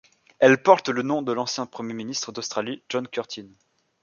Elle porte le nom de l'ancien premier ministre d'Australie John Curtin.